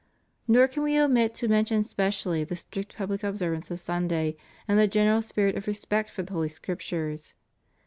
Nor can We omit to mention specially the strict public observance of Sunday and the general spirit of respect for the Holy Scriptures.